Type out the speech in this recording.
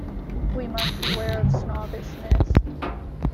We must beware of snobbishness.